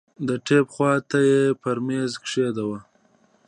د ټېپ خوا ته يې پر ميز کښېښود.